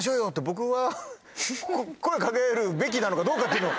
僕は声掛けるべきなのかどうかっていうのを。